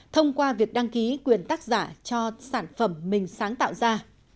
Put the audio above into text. thông qua việc đăng ký quyền tác giả cho sản phẩm mình sáng tạo ra